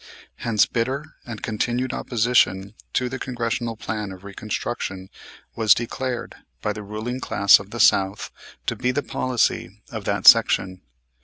Hence bitter and continued opposition to the Congressional Plan of Reconstruction was declared by the ruling class of the South to be the policy of that section.